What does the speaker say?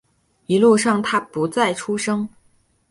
一路上他不再出声